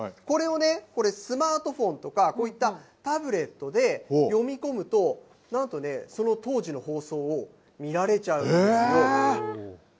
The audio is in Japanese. これをね、これ、スマートフォンとか、こういったタブレットで読み込むと、なんとね、その当時の放送を見られちゃうんですよ。